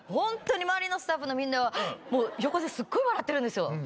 周りのスタッフのみんなはもう横ですっごい笑ってるんですよ。